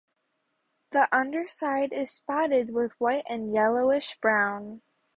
The underside is spotted with white and yellowish-brown.